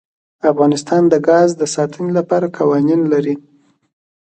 افغانستان د ګاز د ساتنې لپاره قوانین لري.